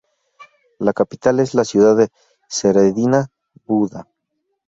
La capital es la ciudad de Seredyna-Buda.